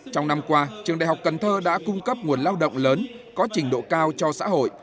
trong năm qua trường đại học cần thơ đã cung cấp nguồn lao động lớn có trình độ cao cho xã hội